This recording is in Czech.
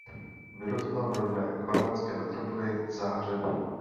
Vyrostla v rodné chorvatské metropoli Záhřebu.